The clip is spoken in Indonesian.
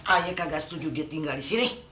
ayi kagak setuju dia tinggal disini